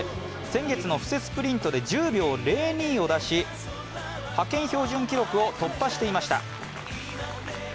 先月の布勢スプリントで１０秒０２を出し派遣標準記録を突破していました。